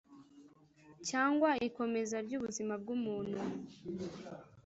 Cyangwa ikomeza ry ubuzima bw umuntu